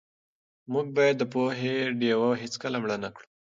موږ باید د پوهې ډېوه هېڅکله مړه نه کړو.